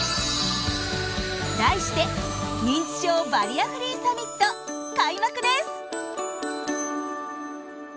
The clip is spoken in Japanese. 題して「認知症バリアフリーサミット」開幕です！